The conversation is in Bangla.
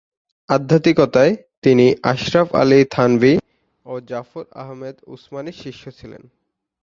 আধ্যাত্মিকতায় তিনি আশরাফ আলী থানভী ও জাফর আহমদ উসমানির শিষ্য ছিলেন।